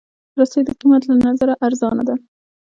رسۍ د قېمت له نظره ارزانه ده.